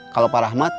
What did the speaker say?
kalau pak rahmat